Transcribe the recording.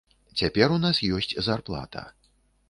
Цяпер у нас ёсць зарплата.